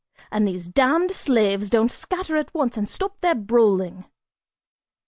and these damned slaves don't scatter at once and stop their brawling!"